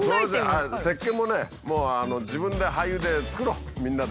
せっけんもね自分で廃油で作ろうみんなで。